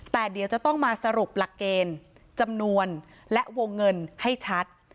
แต่เดี๋ยวจะต้องมาสรุปหลักเกณฑ์จำนวนและวงเงินให้ชัด